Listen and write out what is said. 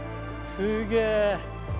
すげえ！